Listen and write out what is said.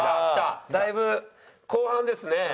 だいぶ後半ですね。